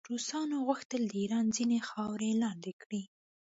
روسانو غوښتل د ایران ځینې خاورې لاندې کړي.